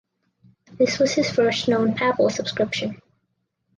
This was his first known papal subscription.